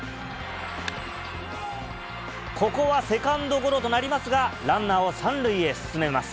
ここはセカンドゴロとなりますが、ランナーを３塁へ進めます。